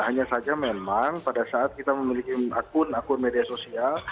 hanya saja memang pada saat kita memiliki akun akun media sosial